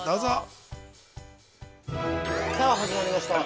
どうぞ。